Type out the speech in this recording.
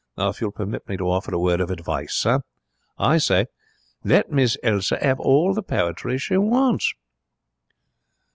Now, if you will permit me to offer a word of advice, sir, I say, let Miss Elsa 'ave all the poetry she wants.'